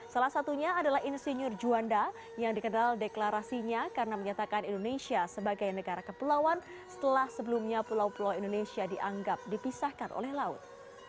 salah satunya adalah insinyur juanda yang dikenal deklarasinya karena menyatakan indonesia sebagai negara kepulauan setelah sebelumnya pulau pulau indonesia dianggap dipisahkan oleh laut